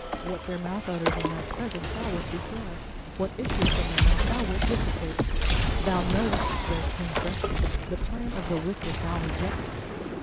What their mouth utters in thy presence Thou wilt destroy, what issues from their mouth thou wilt dissipate. Thou knowest their transgressions, the plan of the wicked thou rejectest.